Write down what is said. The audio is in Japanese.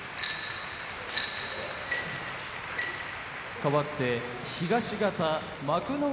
かわって東方幕内